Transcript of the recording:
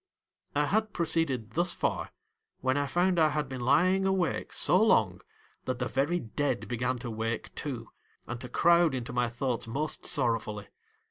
I had proceeded thus far, when I found I HOUSEHOLD WORDS. [Conducted Uy had been lying awake so long that the very dead began to wake too, and to crowd into my thoughts most sorrowfully.